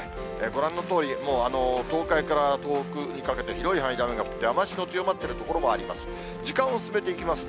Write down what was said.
ご覧のとおり、東海から東北にかけて、広い範囲で雨が降って、雨足の強まっている所もあります。